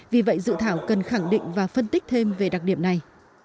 vì vậy dự thảo cần khẳng định và phân tích thêm về đặc điểm này